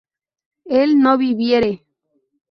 él no viviere